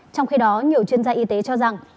trong khi đó nhiều chuyên gia y tế cho rằng